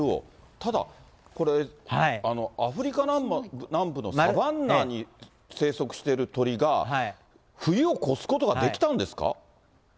ただ、これ、アフリカ南部のサバンナに生息してる鳥が、冬を越すことができたんですか。